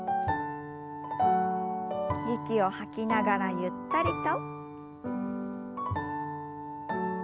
息を吐きながらゆったりと。